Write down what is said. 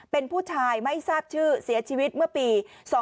เป็นผู้ชายไม่ทราบชื่อเสียชีวิตเมื่อปี๒๕๖